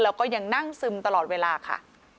แล้วก็ยังนั่งซึมตลอดเวลาค่ะ